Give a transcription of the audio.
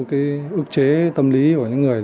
cái ước chế tâm lý của những người